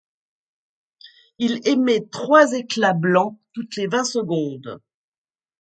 Il émet trois éclats blancs toutes les vingt secondes.